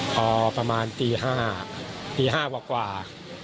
พอประมาณตี๕ตี๕กว่า